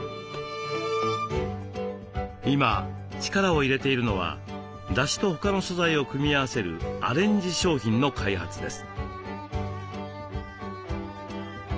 今力を入れているのはだしと他の素材を組み合わせるアレンジ商品の開発です。